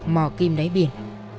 mò kim đáy biển